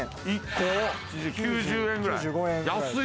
１個９５円くらい。